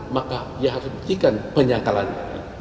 maka dia harus buktikan penyangkalannya